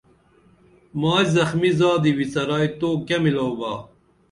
مائی زخمی زادی وِڅرائی تو کیہ میلاو با